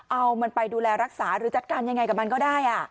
เอามันไปดูแลรักษาหรือจัดการยังไงกับมันก็ได้